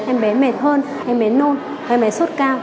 em bé mệt hơn em bé nôn em bé suốt cao